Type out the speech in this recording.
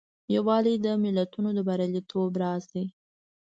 یووالی د ملتونو د بریالیتوب راز دی.